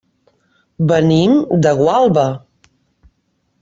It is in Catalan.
Venim de Gualba.